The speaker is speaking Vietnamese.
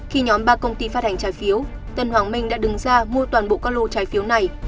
khi nhóm ba công ty phát hành trái phiếu tân hoàng minh đã đứng ra mua toàn bộ các lô trái phiếu này